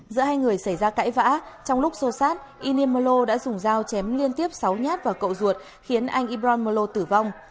giữa hai người xảy ra cãi vã trong lúc xô xát inyemelo đã dùng dao chém liên tiếp sáu nhát vào cậu ruột khiến anh ibramelo tử vong